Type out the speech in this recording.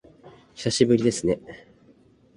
久しぶりですね